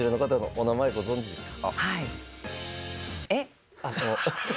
お名前ご存じですか？